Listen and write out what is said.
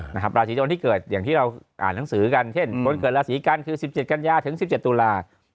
ราศีจนที่เกิดอย่างที่เราอ่านหนังสือกันเช่นคนเกิดราศีกันคือ๑๗กันยาถึง๑๗ตุลา